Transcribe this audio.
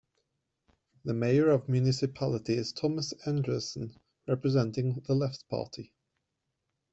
The mayor of the municipality is Thomas Andresen, representing the Left party.